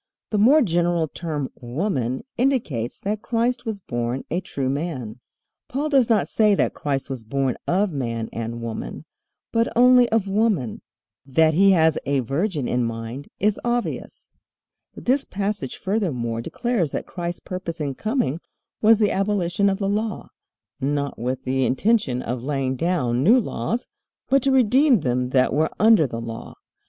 The more general term "woman" indicates that Christ was born a true man. Paul does not say that Christ was born of man and woman, but only of woman. That he has a virgin in mind is obvious. This passage furthermore declares that Christ's purpose in coming was the abolition of the Law, not with the intention of laying down new laws, but "to redeem them that were under the law."